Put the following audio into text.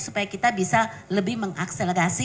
supaya kita bisa lebih mengakselerasi